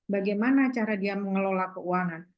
bagaimana cara dia mengelola keuangan